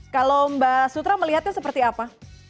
kalau mbak sutra melihatnya seperti apa